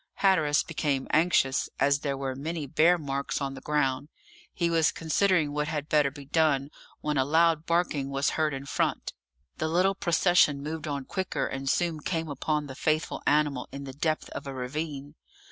Hatteras became anxious, as there were many bear marks on the ground; he was considering what had better be done, when a loud barking was heard in front. The little procession moved on quicker, and soon came upon the faithful animal in the depth of a ravine.